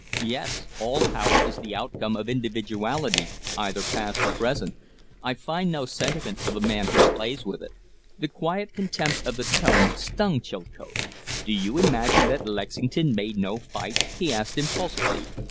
"Yes. All power is the outcome of individuality, either past or present. I find no sentiment for the man who plays with it." The quiet contempt of the tone stung Chilcote. "Do you imagine that Lexington made no fight?" he asked, impulsively.